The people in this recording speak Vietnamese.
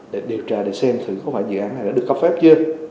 để điều tra để xem thử có phải dự án này đã được cấp phép chưa